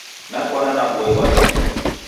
Nakwana na boi wa chilu.